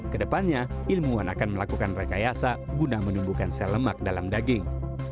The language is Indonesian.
kedepannya ilmuwan akan melakukan rekayasa guna menumbuhkan sel lemak dalam daging